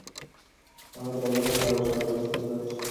টানা হরতাল-অবরোধের কারণে তাঁর সাড়ে চার লাখ বস্তা আলু অবিক্রীত রয়ে গেছে।